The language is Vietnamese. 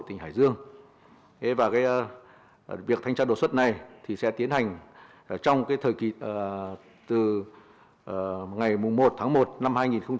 tỉnh hải dương việc thanh tra đột xuất này sẽ tiến hành trong thời kỳ từ ngày một tháng một năm hai nghìn một mươi bốn